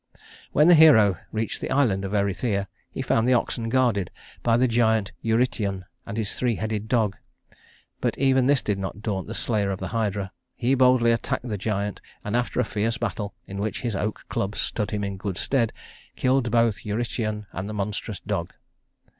When the hero reached the island of Erythea, he found the oxen guarded by the giant Eurytion and his three headed dog; but even this did not daunt the slayer of the Hydra. He boldly attacked the giant; and after a fierce battle, in which his oak club stood him in good stead, killed both Eurytion and the monstrous dog.